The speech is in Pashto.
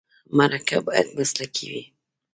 مرکه باید مسلکي وي.